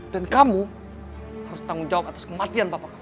dan kamu harus tanggung jawab atas kematian papa kamu